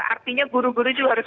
artinya guru guru juga harus